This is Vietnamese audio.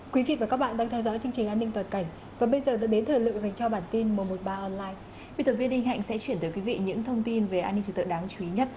các bạn hãy đăng ký kênh để ủng hộ kênh của chúng mình nhé